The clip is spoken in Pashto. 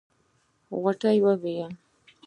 غوټۍ وويل.